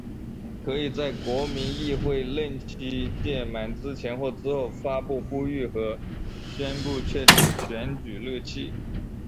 可以在国民议会任期届满之前或之后发布呼吁和宣布确定选举日期。